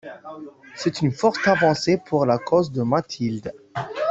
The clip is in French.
C'est une forte avancée pour la cause de Mathilde.